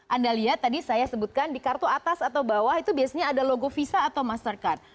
anda lihat tadi saya sebutkan di kartu atas atau bawah itu biasanya ada logo visa atau mastercard